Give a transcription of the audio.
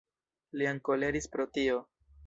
Lian koleris pro tio.